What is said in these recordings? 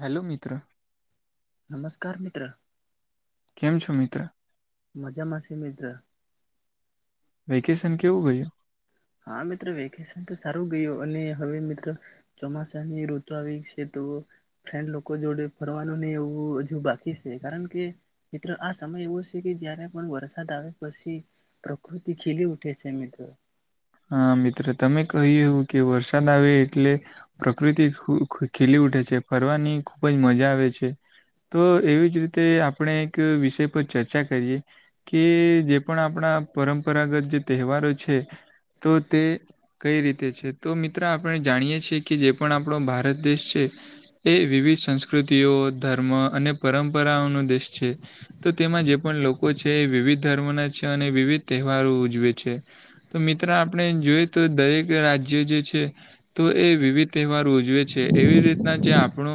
Hello મિત્ર નમસ્કાર મિત્ર કેમ છો મિત્રૃ માજામા છે મિત્ર વેકેશન કેવું ગયું હા મિત્ર વેકેશન તો સારું ગયું અને હવે મિત્ર ચોમાસાની ઋતુ આવી છે તો ફ્રેન્ડ લોકો જોડે ફરવાનું નહી એવું હજુ બાકી છે કારણ કે મિત્ર આ સમય એવો છે કે જયારે પણ વરસાદ આવે પછી પ્રકૃતિ ખીલી ઉઠે છે મિત્ર હા મિત્ર તમે કહ્યું કે વરસાદ આવે એટલે પ્રકૃતિ ખુ ખીલી ઉઠે છે ફરવાની ખુબ જ મજા આવે છે તો એવી જ રીતે આપણે એક વિષય પર ચર્ચા કરીએ કે જે પણ આપણા પરંપરાગત જે તહેવારો છે તો તે કઈ રીતે છે તો મિત્ર આપણે જાણીએ છે કે કે જે પણ આપણો ભારત દેશ છે એ વિવિધ સંસ્કૃતિઓ ધર્મ અને પરંપરાઓનો દેશ છે તો તેમાં જે પણ લોકો છે એ વિવિધ ધર્મના છે અને વિવિધ તહેવારો ઉજવે છે તો મિત્ર આપણે જોઈ તો દરેક રાજ્ય જે છે તો એ વિવિધ તહેવાર ઉજવે છે એવી રીતના જે આપણો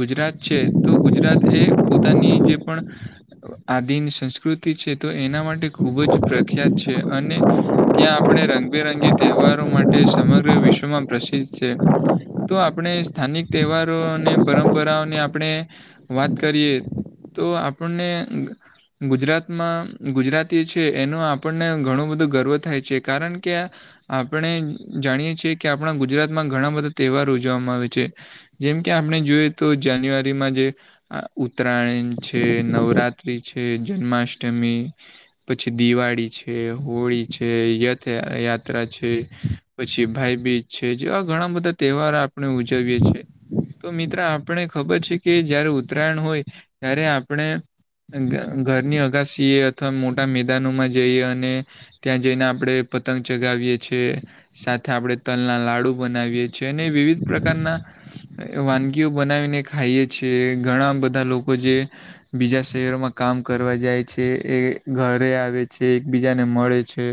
ગુજરાત છે તો ગુજરાત એ પોતાની જે પણ આદિન સંસ્કૃતિ છે તો એના માટે ખૂબ જ પ્રખ્યાત છે અને ત્યાં આપણે રંગબેરંગી તહેવારો માટે સમગ્ર વિશ્વમાં પ્રસિદ્ધ છે તો આપણે સ્થાનિક તહેવારો અને પરંપરાઓને આપણે વાત કરીએ તો આપણને ગુજરાતમાં ગુજરાતી છે એનો આપણને ઘણું બધું ગર્વ થાય છે કારણ કે આપણે જાણીએ છીએ કે આપણા ગુજરાતમાં ઘણા બધા તહેવાર ઉજવવામાં આવે છે જેમકે આપણે જોઈએ તો જાન્યુઆરીમાં જે ઉત્તરાયણ છે, નવરાત્રિ છે, જન્માષ્ટમી પછી દિવાળી છે, હોળી છે, રથ યાત્રા છે પછી ભાઈ બીજ છે. જેવા ઘણા બધા તહેવાર આપણે ઉજવીએ છીએ. તો મિત્ર આપને ખબર છે કે જયારે ઉત્તરાયણ હોય ત્યારે આપણે ઘરની અગા સીએ અથવા મોટા મેદાનોમાં જઈએ અને ત્યાં જઈને આપણેે પતંગ ચગાવીએ છીએ. સાથે આપણે તલના લાડુ બનાવીએ છીએ અને વિવિધ પ્રકારના વાનગીઓ બનાવીને ખાઈએ છે. ઘણા બધા લોકો જે બીજા શહેરોમાં કામ કરવા જાય છે એ ઘરે આવે છે એકબીજાને મળે છે.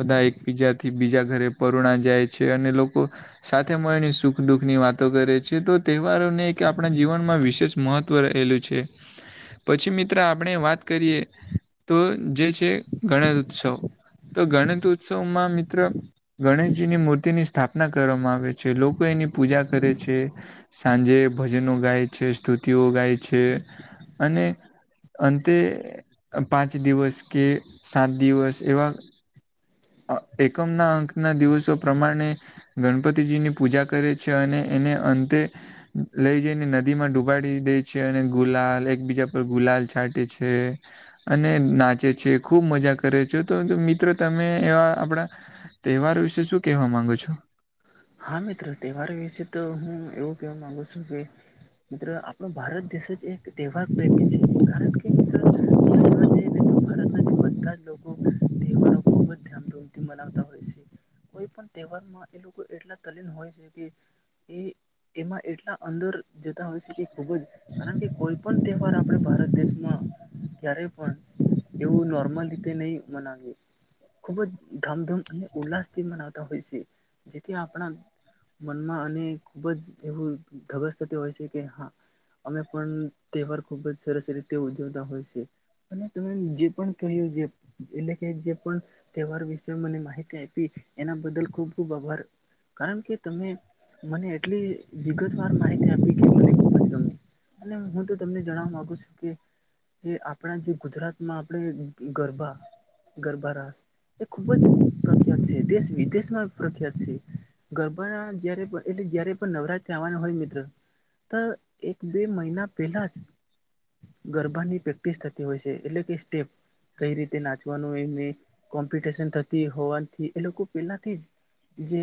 બધા એકબીજાથી બીજા ઘરે પરુણા જાય છે અને લોકો સાથે મળે એની સુખ દુઃખ ની વાતો કરે છે તો તહેવારોને એક આપણા જીવનમાં વિશેષ મહત્વ‌ રહેલું છે. પછી મિત્ર આપણે વાત કરીએ તો જે છે ગણેશ ઉત્સવ તો ગણેશ ઉત્સવમાં મિત્ર ગણેશજીની મૂર્તિની ની સ્થાપના કરવામાં આવે છે. લોકો એની પૂજા કરે છે. સાંજે ભજનો ગાય છે સ્તુતિઓ ગાય છે અને અંતે પાંચ દિવસ કે સાત દિવસ એવા એકમના અંકના દિવસો પ્રમાણે ગણપતિજીની પૂજા કરે છે અને એને અંતે લઈ જઈને નદીમાં ડુબાડી દે છે અને ગુલાલ એકબીજા પર ગુલાલ છાંટે છે. અને નાચે છે ખુબ મજા કરે છે. તો મિત્રો તમે તમે એવા આપડા તહેવારો વિશે શું કેહેવા માંગુ છો? હા મિત્રો તહેવાર વિશે તો હું એવું કેવા માંગુ છું કે મિત્ર આપણો ભારત દેશ જ એક [unintelligible] પ્રેમી છે, કારણ કે તો ભારતથી બધા જ લોકો તહેવારો ખુબ જ ધામધૂમથી મનાવતા હોય છે. કોઈ પણ તહેવારમાં એ લોકો એટલા તલીન હોય છે, કે એ એમાં એટલા અંદર જતા હોય છે, કે ખૂબ જ કારણ કે કોઈ પણ તહેવાર આપણે ભારત દેશમાં ક્યારેય પણ એવું નોર્મલ રીતે નહી મનાવી ખૂબ જ ધમધૂમ અને ઉલ્લાસથી મનાવતા હોય છે, જેથી આપણા મનમાં અને ખૂબ જ એવું ધબસ થતી હોય છે, કે હા અમે પણ તહેવાર ખુબ જ સરસ રીતે ઉજવતા હોય છે. અને તમે જે પણ કહ્યું જે એટલે કે જે પણ તહેવાર વિશે મને માહિતી આપી એના બદલ ખૂબ ખૂબ આભાર. કારણ કે તમે મને એટલી વિગતવાર માહિતી આપી કે મને ખૂબ જ ગમી. અને હું તો તમને જણવા માગુ છું કે એ આપણા જે ગુજરાતમાં આપણે ગરબા ગરબા-રાસ એ ખૂબ જ પ્રખ્યાત છે, દેશ વિદેશમાં પ્રખ્યાત છે, ગરબાના જય્યારે પણ એટલે જયારે પણ નવરાત્ર આવવાના હોય મિત્ર તો એક બે મહિના પહેલાં જ ગરબાની પ્રેક્ટિસ થતી હોય છે, એટલે કે સ્ટેપ કઈ રીતે નાચવાનું એમને કોમ્પિટશન થતી હોવાથી એ લોકો પેલાથી જ જે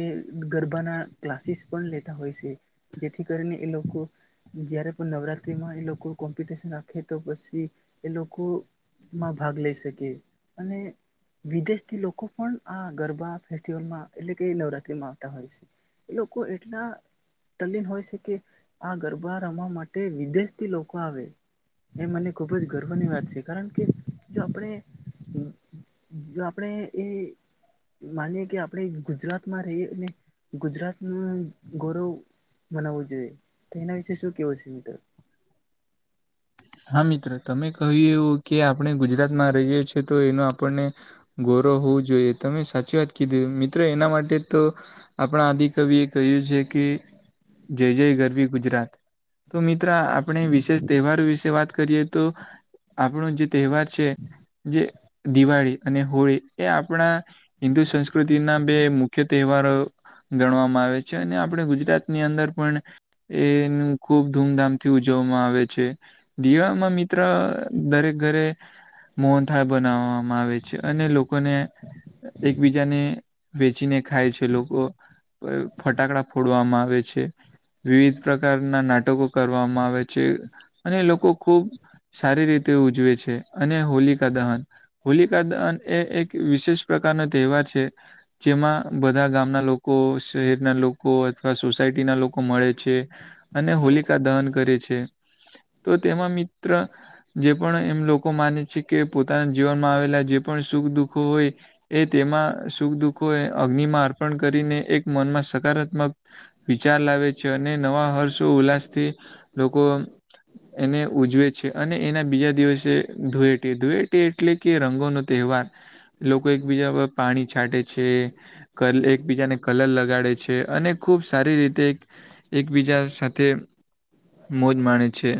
ગરબાના ક્લાસીસ પણ લેતા હોય છે, જેથી કરીને એ લોકો જય્યારે પણ નવરાત્રિમાં એ લોકો કોમ્પિટિશન રાખે તો પછી એ લોકો માં ભાગ લઈ શકે અને વિદેશથી લોકો પણ આ ગરબા ફેસ્ટિવલમાં એટલે કે નવરાત્રીમાં આવતા હોય છે, એ લોકો એટલા તલીન હોય છે, કે આ ગરબા રમવા માટે વિદેશથી લોકો આવે. એ મને ખૂબ જ ગર્વની વાત છે, કારણ કે જો આપણે. જો આપણે એ માનીએ કે આપણે ગુજરાતમાં રહીએ અને ગુજરાતનું ગૌરવ. મનાવવું જોઈએ તો એના વિશે શું કેવો છે, મીટર. હા મિત્રો તમે કહ્યું એવું કે આપણે ગુજરાતમાં રહીએ છીએ તો એનો આપણને. ગૌરવ હોવું જોઈએ તમે સાચી વાત કીધી મિત્રો એના માટે તો. આપણા આદિકવિએ કહ્યું છે, કે. જય જય ગરવી ગુજરાત તો મિત્ર આપણે વિશેષ તહેવારો વિશે. વાત કરીએ તો આપણો જે તહેવાર છે, જે. દિવાળી અને હોળી એ આપણા હિન્દુ સંસ્કૃતિના બે મુખ્ય તહેવારો. ગણવામાં આવે છે, અને આપણે ગુજરાતની અંદર પણ. એનું ખૂબ ધૂમધામથી ઉજવવામાં આવે છે. દીવામાં મિત્ર દરેક ઘરે. મોન થળ બનાવવામાં આવે છે, અને લોકોને એકબીજાને. વેચીને ખાય છે, લોકો ફટાકડા ફોડવામાં આવે છે. વિવિધ પ્રકારના નાટકો કરવામાં આવે છે, અને લોકો. સારી રીતે ઉજવે છે, અને હોલિકા દહન હોલિકા દહન એ એક. વિશેષ પ્રકારનો તહેવાર છે, જેમાં બધા ગામના લોકો શહેરના લોકો. લોકો અથવા સોસાયટી ના લોકો મળે છે, અને હોલિકા દહન કરે છે. તો તેમાં મિત્ર જે પણ એમ લોકો માને છે, કે પોતાના જીવનમાં આવેલા જે. પણ સુખ દુઃખો હોય એ તેમાં સુખ દુઃખો એ અગ્નિમાં. કરીને એક મનમાં સકારાત્મક વિચાર લાવે છે. અને નવા હર્ષો ઉલ્લાસ થી લોકો. એને ઉજવે છે, અને એના બીજા દિવસે ધુયટી ધૂયટી. એટલે કે રંગો નો તહેવાર લોકો એકબીજા પાણી છાંટે છે એકબીજાને કલર લગાડે છે અને ખૂબ સારી રીતે એકબીજા સાથે મોજ માણે છે.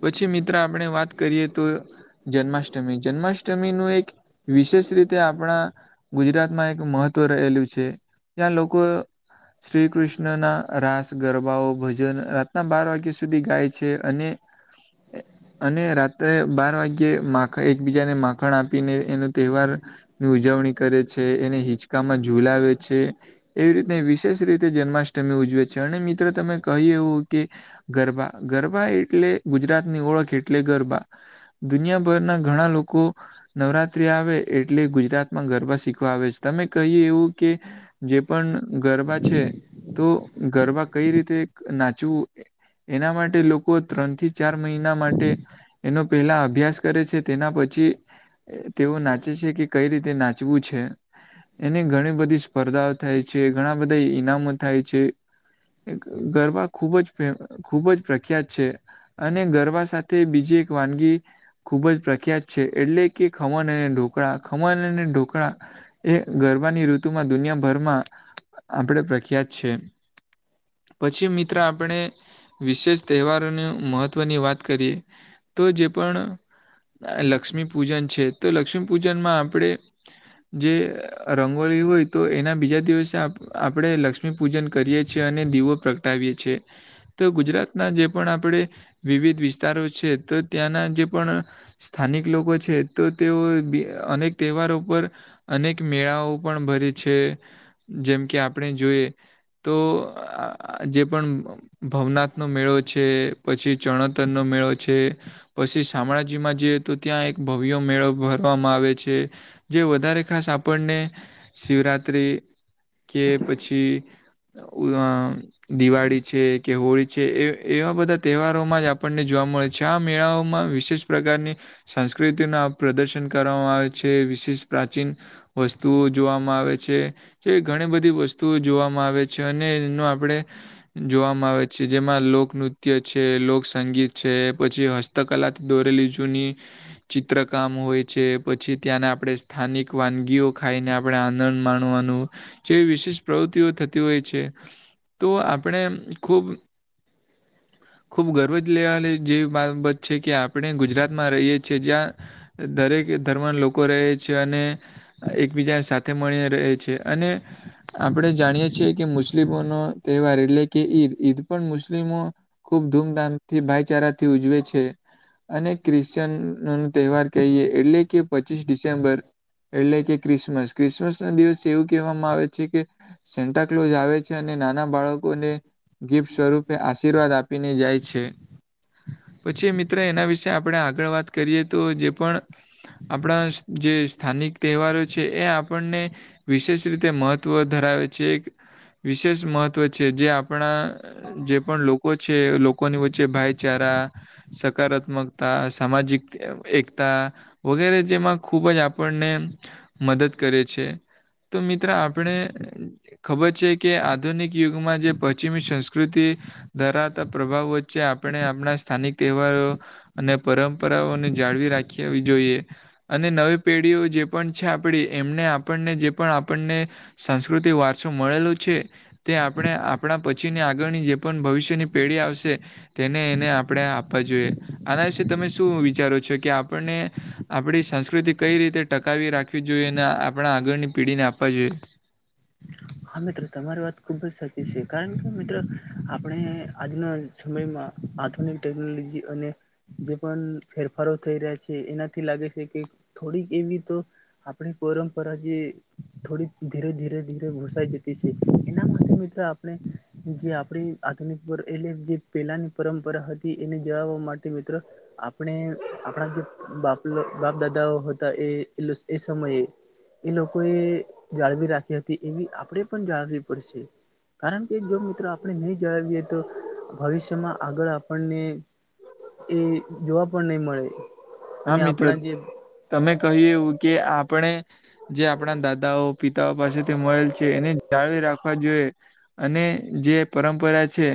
પછી મિત્ર આપણે વાત કરીએ તો જન્માષ્ટમી જન્માષ્ટમી નું એક વિશેષ રીતે આપણા ગુજરાતમાં એક મહત્વ રહેલું છે ત્યાં લોકો શ્રી કૃષ્ણના રાસ ગરબાઓ ભજન રાતના બાર વાગ્યા સુધી ગાય છે અને [inaudible] અને રાત્રે બાર વાગ્યે માખણ એકબીજાને માખણ આપીને એનો તહેવાર ની ઉજવણી કરે છે એને હિચકામાં ઝુલાવે છે. એવી રીતે વિશેષ રીતે જન્માષ્ટમી ઉજવે છે અને મિત્રો તમે કહી એવું કે ગરબા ગરબા એટલે ગુજરાતની ઓળખ એટલે ગરબા. દુનિયાભરના ઘણા લોકો નવરાત્રી આવે એટલે ગુજરાતમાં ગરબા શીખવા આવે છે તમે કહીએ એવું કે જે પણ ગરબા છે તો ગરબા કઈ રીતે નાચવું એના માટે ત્રણ થી ચાર મહિના માટે એનો પેલા અભ્યાસ કરે છે તેના પછી તેઓ નાચે છે કે કઈ રીતે નાચવું છે. એની ઘણી બધી સ્પર્ધાઓ થાય છે ઘણા બધા ઈનામો થાય છે. ગરબા ખૂબ જ ખૂબ જ પ્રખ્યાત છે અને ગરબા સાથે બીજે તો વાનગી ખૂબ જ પ્રખ્યાત છે એટલે કે ખમણ અને ઢોકળા ખમણ અને ઢોકળા એ ગરબાની ઋતુમાં દુનિયાભરમાં આપણે પ્રખ્યાત છે. પછી મિત્ર આપણે વિશેષ તહેવારોનું મહત્ત્વની વાત કરીએ તો જે પણ લક્ષ્મી પૂજન છે તો લક્ષ્મી પૂજનમાં આપણે જે રંગોળી હોય તો એના બીજા દિવસે આપણે લક્ષ લક્ષમી પૂજન કરીએ છીએ અને દીવો પ્રગટાવીએ છીએ તો ગુજરાત આપણે વિવિધ વિસ્તારો છે તો ત્યાંના જે પણ સ્થાનિક લોકો છે તો તેઓ અનેક તહેવારો પર અનેક મેળાઓ પણ ભરે છે જેમ કે આપણે જોઈ તો જે પણ ભાવનાત્ નો મેળો છે, પછી ચણતર નો મેળો છે પછી શામળાજીમાં જઈએ તો ત્યાં એક ભવ્ય મેળો ભરવામાં આવે છે. જે વધારે ખાસ આપણને શિવરાત્રિ. કે પછી દિવાળી છે, કે હોળી છે એ એવા બધા તહેવારોમાં જ આપણને જોવા મળે છે આ મેળાઓમાં વિશેષ પ્રકારની સંસ્કૃતિના પ્રદર્શન કરવામાં આવે છે વિશેષ પ્રાચીન વસ્તુઓ જોવામાં આવે છે. જે ઘણી બધી વસ્તુઓ જોવામાં આવે છે અને એનું આપડે જોવામાં આવે તેમાં લોકનૃત્ય છે લોકસંગીત છે પછી હસ્તકલાથી દોરેલી જૂની ચિત્રકામ હોય છે પછી ત્યાંને આપણે સ્થાનિક વાનગીઓ ખાઈને આપણે આનંદ માણવાનું જેવી વિશેિષ પ્રવૃત્તિઓ થતી હોય છે તો આપણે ખુબ ખૂબ ગર્વ જ લેવાલી જેવી બાબત છે કે આપણે ગુજરાતમાં રહીએ છીએ જ્યાં દરેક ધર્મના લોકો રહે છે અને એકબીજાને સાથે મળીને રહે છે અને આપણે જાણીએ છીએ કે મુસ્લિમો ન તહેવાર એટલે કે ઈદ ઈદ પણ મુસ્લિમો ખુબ ધૂમધામથી ભાઈચારાથી ઉજવે છે. અને ક્રિશ્ચન ન તહેવાર કહીએ એટલે કે પચીસ ડિસેમ્બર એટલે કે ક્રિસમસ ક્રિસમસ ના દિવસ એવું કહેવામાં આવે છે કે સેન્ટા કલોઝ આવે છે અને નાના બાળકોને ગિફ્ટ સ્વરૂપે આ આશીર્વાદ આપીને જાય છે. પછી મિત્ર એના વિશેે આપણે આગળ વાત કરીએ, તો જે પણ આપણા જે સ્થાનિક તહેવારો છે, એ આપણને વિશેષ રીતે મહત્વ ધરાવે છે, એક વિશેષ મહત્વ છે, જે આપણા જે પણ લોકો છે, લોકોની વચ્ચે ભાઈચારા. સકારાત્મકતા, સામાજિક એકતા. વગેરે જેમાં ખૂબ જ આપણને મદદ કરે છે. તો મિત્ર આપણે ખબર છે કે, આધુનિક યુગમાં જે પશ્ચિમી સંસ સંકૃતિ ધરાવતા પ્રભાવ વચ્ચે આપણે આપણા સ્થાનિક તહેવારો. અને પરંપરાઓને જાળવી રાખવા જોઈએ. અને નવી પેઢીઓ જે પણ છે, આપણી એમને આપણને, જે પણ આપણને સાસ્કૃતિક વારસો મળેલો છે, તે આપણે આપણા પછીને આગળની જે પણ ભવિષ્યની પેઢી આવશે. એને એને આપણે આ બાજુ, અને તમે શું વિચારો છો કે આપણને? આપણી સંસ્કૃતિ કઈ રીતે ટકાવી રાખવી જોઈએ ને, આપણા આગળની પેઢીને આપવા જોઈએ. હા, મિત્રો તમારી વાત ખૂબ જ સાચી છે, કારણ કે મિત્ર આપણે આજના સમયમાં આધુનિક ટેકનોલોજી અને. જે પણ ફેરફારો થઈ રહ્યા છે, એનાથી લાગે છે, કે થોડીક એવી તો આપણી પરંપરા જે થોડી ધીરે-ધીરે, ધીરે ઘુસાઈ જતી છે, એના માટે મિત્રો આપણે જે આપણી આધુનિક એટલે જે પેલાની પરંપરા હતી, એને જળાવવા માટે મિત્રો આપણે આપણા જે બાપ બાપ દાદાઓ હતા, એ એ સમયે એ લોકોએ જાળવી રાખી હતી, એવી આપણેે પણ જાળવી પડશે. કારણ કે, જો મિત્રો આપણે નહી જણાવીએ તો, ભવિષ્ય તેમાં આગળ આપણને, એ જોવા પણ નહીં મળે. હા, અને મિત્રો. આપણા જે તમે કહ્યું એવું કે આપણે જે આપણા દાદાઓ, પિતાઓ પાસેથી મળેલ છે, એને જાળવી રાખવા જોઈએ. અને જે પરંપરા છે.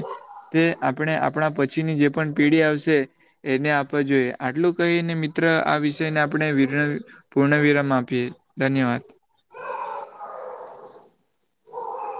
તે આપણે આપણા પછીની જે પણ પીઢી આવશે, એને આપવા જોઈએ આટલું. તો એ ને મિત્ર આ વિષયને, આપણે વિર પૂર્ણવિરામ આપીએ, ધન્યવાદ. [unintelligible]